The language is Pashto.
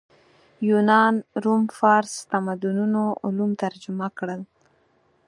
یونان روم فارس تمدنونو علوم ترجمه کړل